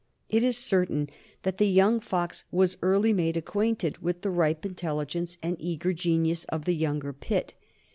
It is certain that the young Fox was early made acquainted with the ripe intelligence and eager genius of the younger Pitt.